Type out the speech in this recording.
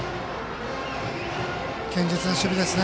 堅実な守備ですね